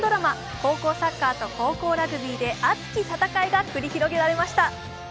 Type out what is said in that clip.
高校サッカーと高校ラグビーで熱き戦いが繰り広げられました。